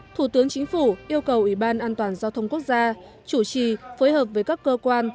thủ tướng chính phủ yêu cầu ủy ban an toàn giao thông quốc gia chủ trì phối hợp với các cơ quan